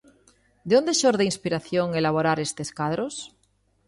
De onde xorde a inspiración elaborar estes cadros?